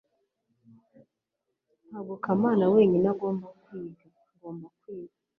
ntabwo kamana wenyine agomba kwiga. ngomba kwiga